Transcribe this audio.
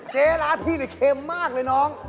เจ๊ร้านพี่เนี่ยเค็มมากเลยน้อง